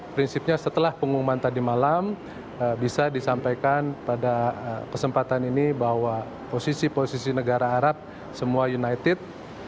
prinsipnya setelah pengumuman tadi malam bisa disampaikan pada kesempatan ini bahwa posisi posisi negara arab semua united